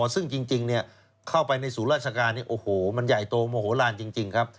ซึ่งจริงเข้าไปในศูนย์ราชการโอ้โหมันใหญ่โตโมโหลานจริงครับ